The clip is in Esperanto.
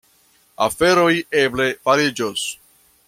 Aferoj eble fariĝos.